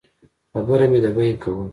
خبره مې د بیې کوله.